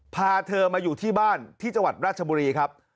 พาเธอมาอยู่ที่บ้านที่จังหวัดราชบุรีครับ